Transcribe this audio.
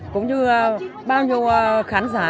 cũng như bao nhiêu khán giả